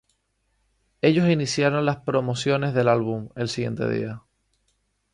Ellos iniciaron las promociones del álbum, el siguiente día.